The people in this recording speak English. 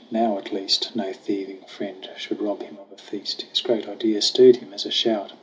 Now, at least, No thieving friend should rob him of a feast. His great idea stirred him as a shout.